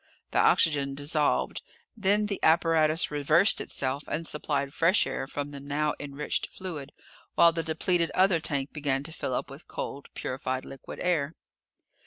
The oxygen dissolved. Then the apparatus reversed itself and supplied fresh air from the now enriched fluid, while the depleted other tank began to fill up with cold purified liquid air.